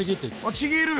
あちぎる。